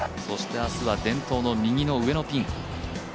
そして明日は伝統の右の上のピン。